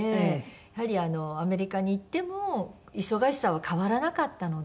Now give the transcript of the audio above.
やはりアメリカに行っても忙しさは変わらなかったので。